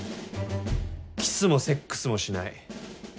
キスもセックスもしない。